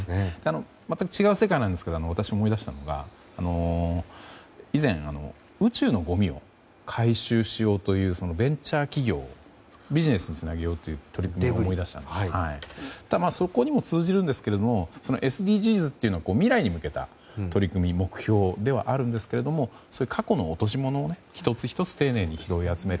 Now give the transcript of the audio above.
全く違う世界なんですが私、思い出したのは以前、宇宙のごみを回収しようというベンチャー企業のビジネスにつなげようという取り組みを思い出したんですがそこにも通じるんですけどＳＤＧｓというのは未来に向けた取り組み、目標ではあるんですがそういう、過去の落とし物を一つ一つ、丁寧に拾い集める。